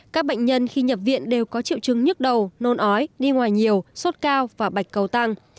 các bệnh nhân khi nhập viện đều có triệu chứng nhức đầu nôn ói đi ngoài nhiều sốt cao và bạch cầu tăng